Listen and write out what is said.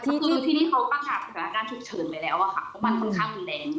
ก็คือที่ที่เขาปรักษากับสถานการณ์ถูกเฉินไปแล้วค่ะเพราะมันค่อนข้างแรง